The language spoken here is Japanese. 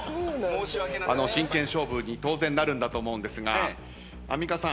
真剣勝負に当然なるんだと思うんですがアンミカさん。